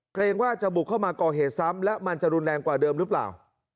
เกรงว่าจะบุกเข้ามาก่อเหตุซ้ำและมันจะรุนแรงกว่าเดิมหรือเปล่า